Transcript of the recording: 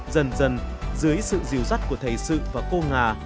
dần dần dưới sự dìu dắt của thầy sự và cô nga